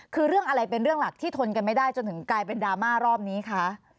คือเรื่องอะไรเป็นเรื่องหลักที่ทนกันไม่ได้จนถึงกลายเป็นดราม่ารอบนี้คะ